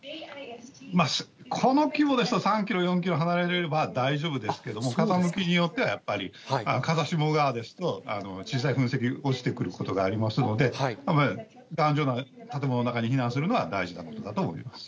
この規模ですと、３キロ、４キロ離れれば大丈夫ですけども、風向きによっては、風下側ですと、小さい噴石、落ちてくることがありますので、頑丈な建物の中に避難するのは大事なことだと思います。